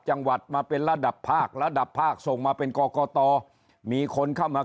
จังหวัดมาเป็นระดับภาคระดับภาคส่งมาเป็นกรกตมีคนเข้ามา